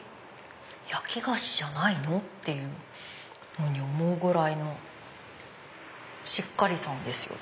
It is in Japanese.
焼き菓子じゃないの？って思うぐらいのしっかりさんですよ。